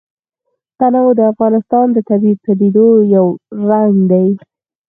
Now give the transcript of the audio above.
تنوع د افغانستان د طبیعي پدیدو یو رنګ دی.